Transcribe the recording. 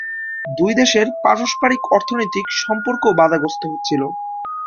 দুই দেশের পারস্পরিক অর্থনৈতিক সম্পর্কও বাধাগ্রস্ত হচ্ছিল।